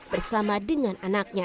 bersama dengan anaknya